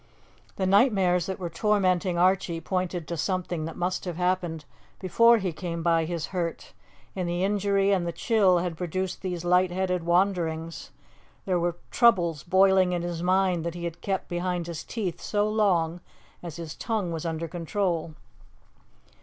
The nightmares that were tormenting Archie pointed to something that must have happened before he came by his hurt, and the injury and the chill had produced these light headed wanderings; there were troubles boiling in his mind that he had kept behind his teeth so long as his tongue was under control.